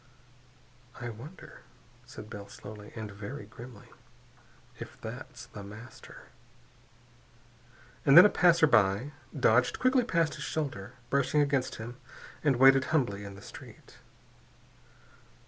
"I wonder," said Bell slowly, and very grimly, "if that's The Master?" And then a passerby dodged quickly past his shoulder, brushing against him, and waited humbly in the street.